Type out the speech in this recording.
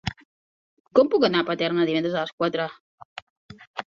Com puc anar a Paterna divendres a les quatre?